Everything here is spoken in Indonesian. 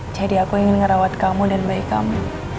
jadi aku ingin ngerawat kamu dan bayi kamu